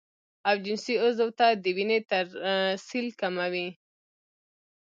او جنسي عضو ته د وينې ترسيل کموي